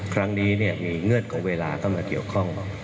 ครั้งนี้มีเงื่อนของเวลาเข้ามาเกี่ยวข้อง